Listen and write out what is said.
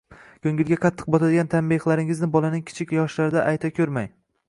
Ko‘ngilga qattiq botadigan tanbehlaringizni bolaning kichik yoshlarida ayta ko‘rmang.